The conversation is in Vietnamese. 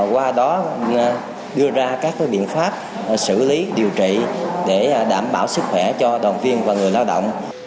qua đó đưa ra các biện pháp xử lý điều trị để đảm bảo sức khỏe cho đoàn viên và người lao động